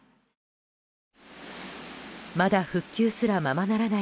まだ復旧すらままならない